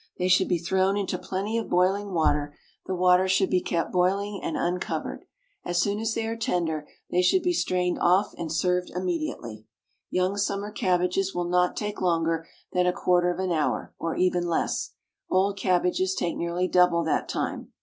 They should be thrown into plenty of boiling water; the water should be kept boiling and uncovered. As soon as they are tender they should be strained off and served immediately. Young summer cabbages will not take longer than a quarter of an hour, or even less; old cabbages take nearly double that time.